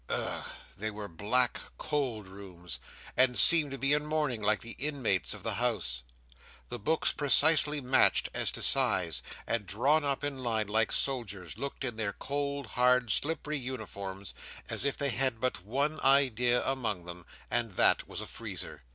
Ugh! They were black, cold rooms; and seemed to be in mourning, like the inmates of the house. The books precisely matched as to size, and drawn up in line, like soldiers, looked in their cold, hard, slippery uniforms, as if they had but one idea among them, and that was a freezer.